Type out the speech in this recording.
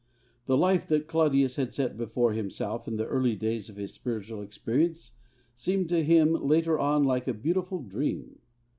The life that Claudius had set before himself in the early days of his spiritual experience seemed to him later on like a beautiful dream.